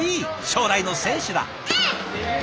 将来の選手だ！